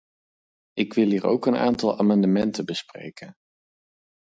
Ik wil hier ook een aantal amendementen bespreken.